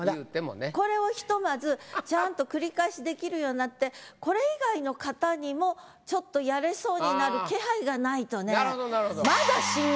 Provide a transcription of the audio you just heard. これをひとまずちゃんと繰り返しできるようになってこれ以外の型にもちょっとやれそうになる気配がないとね。